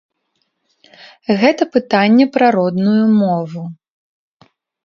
Гэта пытанне пра родную мову.